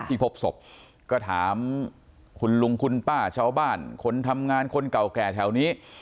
พบศพก็ถามคุณลุงคุณป้าชาวบ้านคนทำงานคนเก่าแก่แถวนี้